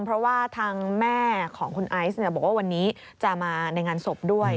เพราะว่าทางแม่ของคุณไอซ์บอกว่าวันนี้จะมาในงานศพด้วย